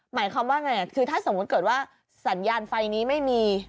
หมายความว่าไงคือถ้าสมมุติเกิดว่าสัญญาณไฟนี้ไม่มี